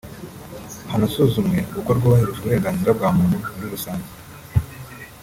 hanasuzumwe uko rwubahiriza uburenganzira bwa muntu muri rusange